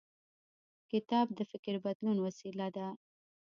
کتاب د فکر بدلون وسیله ده.